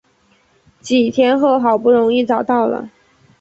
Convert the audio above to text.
几天后好不容易找到了